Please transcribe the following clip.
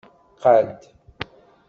Qad.